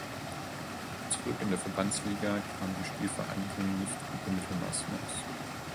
Zurück in der Verbandsliga kam die Spielvereinigung nicht über Mittelmaß hinaus.